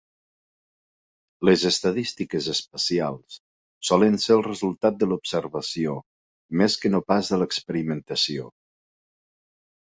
Les estadístiques espacials solen ser el resultat de l'observació més que no pas de l'experimentació.